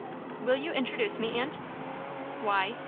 "Will you introduce me, aunt?" "Why?"